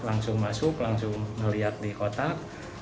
langsung masuk langsung melihat di kotak